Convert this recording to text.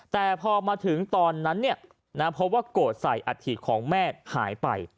แต่พอมาถึงตอนนั้นเพราะว่ากดใส่อาทิตย์ของแม่หายไป